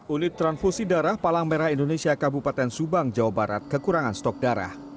unit transfusi darah palang merah indonesia kabupaten subang jawa barat kekurangan stok darah